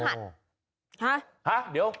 ห๊ะห๊ะเดี๋ยว